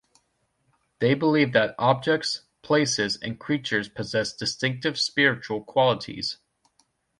They believe that objects, places and creatures possess distinctive spiritual qualities.